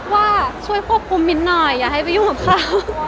ว่าช่วยควบคุมมิ้นหน่อยอย่าให้ไปยุ่งกับเขา